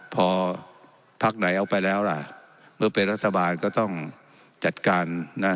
พอพักไหนเอาไปแล้วล่ะเมื่อเป็นรัฐบาลก็ต้องจัดการนะ